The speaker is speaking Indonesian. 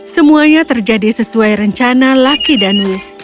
semuanya terjadi sesuai rencana lucky dan wiz